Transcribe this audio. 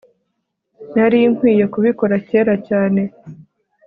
nari nkwiye kubikora kera cyane